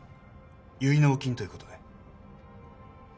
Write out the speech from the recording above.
結納金ということで。